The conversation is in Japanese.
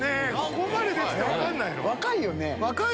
ここまで出てて分かんない。